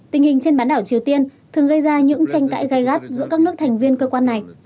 tình hình trên bán đảo triều tiên thường gây ra những tranh cãi gai gắt giữa các nước thành viên cơ quan này